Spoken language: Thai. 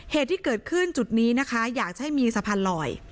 เหตุที่เกิดขึ้นจุดนี้นะคะอยากจะให้มีสะพานลอย